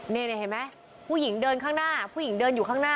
นี่เห็นไหมผู้หญิงเดินข้างหน้าผู้หญิงเดินอยู่ข้างหน้า